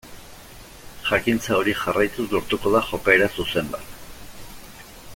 Jakintza hori jarraituz lortuko da jokaera zuzen bat.